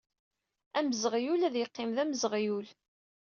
Amzeɣyul ad yeqqim d amzeɣyul!